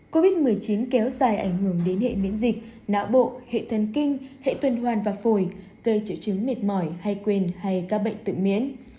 covid một mươi chín kéo dài ảnh hưởng đến hệ miễn dịch não bộ hệ thân kinh hệ tuần hoàn và phổi gây triệu chứng mệt mỏi hay quên hay các bệnh tự miễn